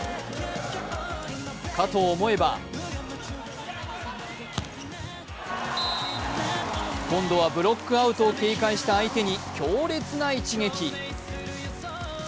かと思えば今度はブロックアウトを警戒した相手に強烈な一撃。